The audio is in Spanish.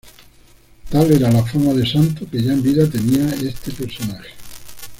Tal era la fama de santo que ya en vida tenía este personaje.